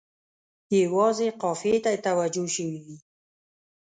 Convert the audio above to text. یوازې قافیې ته یې توجه شوې وي.